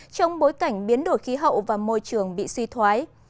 trong bối cảnh biến đổi khí hậu và môi trường bị sử dụng